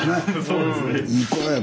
そうですね。